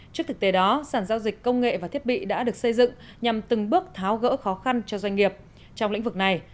trước thực tế đó sản giao dịch công nghệ và thiết bị đã được xây dựng nhằm từng bước tháo gỡ khó khăn cho doanh nghiệp trong lĩnh vực này